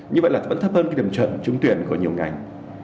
như vậy là vẫn thấp hơn cái điểm chuẩn trúng tuyển của nhiều ngành